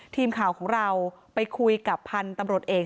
ทีมข่าวของเราไปคุยกับพันธุ์ตำรวจเอก